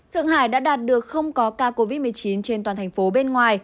thượng hải đã đạt được không có ca covid một mươi chín trên toàn thành phố bên ngoài